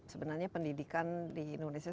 sebenarnya pendidikan di indonesia